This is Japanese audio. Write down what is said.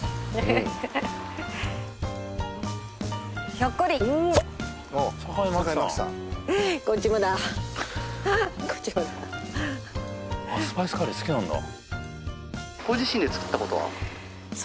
ひょっこりこっちもだこっちもだあっスパイスカレー好きなんだ